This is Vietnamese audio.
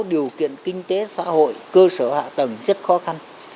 điều kiện kinh tế xã hội cơ sở hạ tầng rất khó khăn